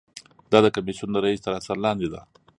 دا د کمیسیون د رییس تر اثر لاندې ده.